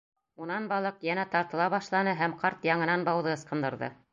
Унан балыҡ йәнә тартыла башланы һәм ҡарт яңынан бауҙы ысҡындырҙы.